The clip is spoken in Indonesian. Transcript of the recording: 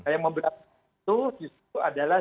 yang memberatkan itu adalah